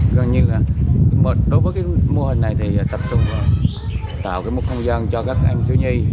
gần như đối với mô hình này thì tập trung vào tạo một không gian cho các em thiếu nhi